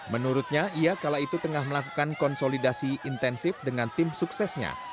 menurutnya ia kala itu tengah melakukan konsolidasi intensif dengan tim suksesnya